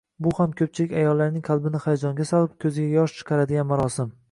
Bu ham ‘ko’pchilik ayollarning qalbini hayajonga solib, ko’ziga yosh chiqaradigan marosim.